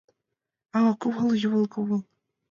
Ава кумыл — Юмын кумыл.